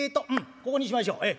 ここにしましょうええ。